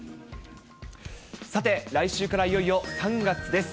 さて、来週からいよいよ３月です。